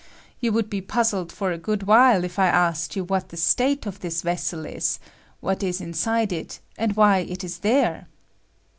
You would be puzzled for a good while if I aaked you what the state of this vessel is, what is iuside it, and why it is there